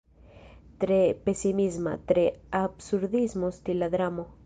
Tre pesimisma, tre absurdismo-stila dramo.